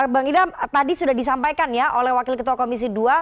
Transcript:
bang idam tadi sudah disampaikan ya oleh wakil ketua komisi dua